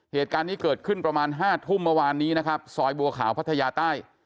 เหตุการณ์นี้เกิดขึ้นประมาณ๕ทุ่มเมื่อวานนี้นะครับซอยบัวขาวพัทยาใต้